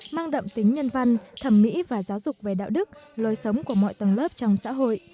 mang đậm tính nhân văn thẩm mỹ và giáo dục về đạo đức lối sống của mọi tầng lớp trong xã hội